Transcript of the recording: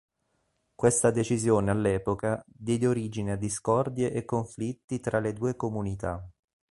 Questa decisione all'epoca, diede origine a discordie e conflitti tra le due comunità.